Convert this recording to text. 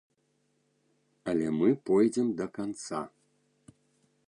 Але мы пойдзем да канца.